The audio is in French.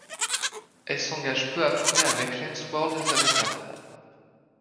Elle s'engage peu après avec Lensworld-Zannata.